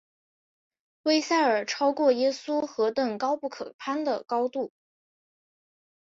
威塞尔超过耶稣何等高不可攀的高度！